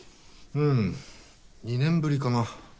うん２年ぶりかな？